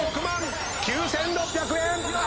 ６６万９，６００円！